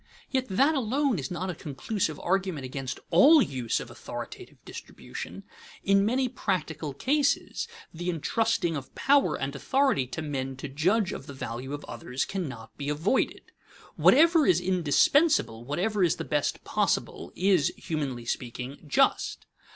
Yet that alone is not a conclusive argument against all use of authoritative distribution. In many practical cases the intrusting of power and authority to men to judge of the value of others cannot be avoided. Whatever is indispensable, whatever is the best possible, is, humanly speaking, just.